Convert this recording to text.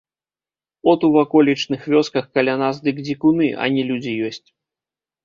От у ваколічных вёсках каля нас дык дзікуны, а не людзі ёсць.